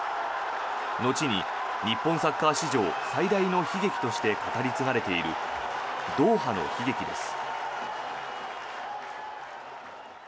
後に日本サッカー史上最大の悲劇として語り継がれているドーハの悲劇です。